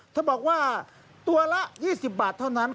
เธอบอกว่าตัวละ๒๐บาทเท่านั้น